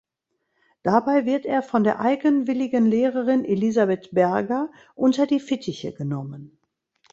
Dabei wird er von der eigenwilligen Lehrerin Elisabeth Berger unter die Fittiche genommen.